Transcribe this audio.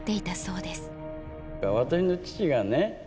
私の父がね